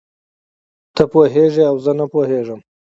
ته پوهېږې او زه نه پوهېږم.